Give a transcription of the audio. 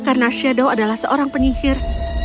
karena shadow adalah seorang penyihir